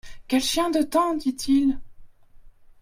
Quel chien de temps ! dit-il.